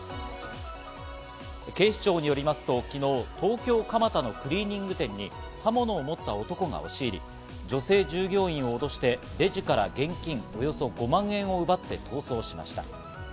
警視庁によりますと、昨日、東京・蒲田のクリーニング店に刃物を持った男が押し入り、女性従業員を脅してレジから現金およそ５万円を奪って逃走しました。